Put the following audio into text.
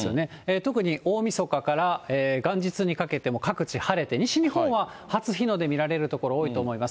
特に大みそかから元日にかけても、各地晴れて、西日本は初日の出見られる所、多いと思います。